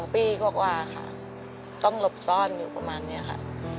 ปีกว่าค่ะต้องหลบซ่อนอยู่ประมาณนี้ค่ะ